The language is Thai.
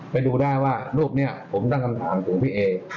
ไปดูได้ว่ารูปนี้ผมตั้งคำถามถึงพี่เอ